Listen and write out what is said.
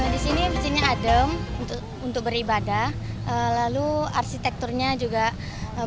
di sini mesinnya adem untuk beribadah lalu arsitekturnya juga bagus